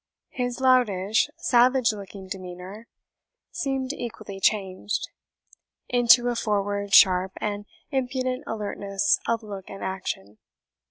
His loutish, savage looking demeanour seemed equally changed, into a forward, sharp, and impudent alertness of look and action.